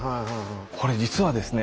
これ実はですね